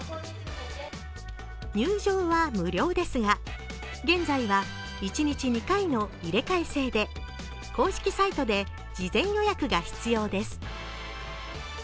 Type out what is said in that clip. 入場は無料ですが、現在は一日２回の入れ替え制で公式サイトで事前予約が必要です。